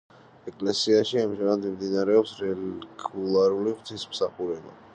ეკლესიაში ამჟამად მიმდინარეობს რეგულარული ღვთისმსახურება.